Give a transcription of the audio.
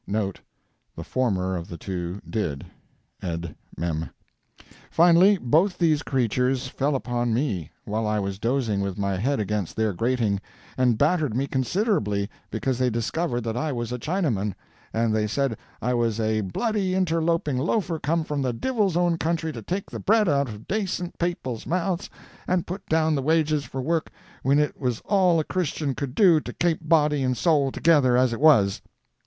* Finally, both these creatures fell upon me while I was dozing with my head against their grating, and battered me considerably, because they discovered that I was a Chinaman, and they said I was "a bloody interlopin' loafer come from the divil's own country to take the bread out of dacent people's mouths and put down the wages for work whin it was all a Christian could do to kape body and sowl together as it was."